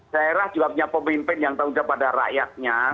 daerah juga punya pemimpin yang terutama pada rakyatnya